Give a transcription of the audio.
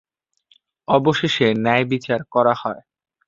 অবশেষে ন্যায়বিচার করা হয়।